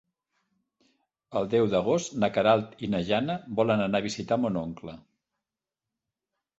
El deu d'agost na Queralt i na Jana volen anar a visitar mon oncle.